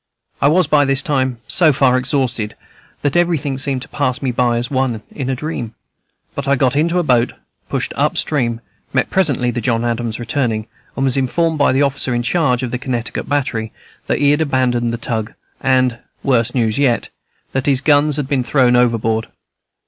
I was by this time so far exhausted that everything seemed to pass by me as by one in a dream; but I got into a boat, pushed up stream, met presently the John Adams returning, and was informed by the officer in charge of the Connecticut battery that he had abandoned the tug, and worse news yet that his guns had been thrown overboard.